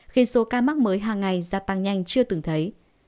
khi số ca mắc mới hàng ngày gia tăng nhanh chưa từng thấy